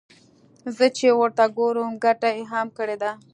زه چې ورته ګورم ګټه يې هم کړې ده.